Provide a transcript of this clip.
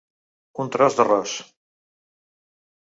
Un tros d'arròs.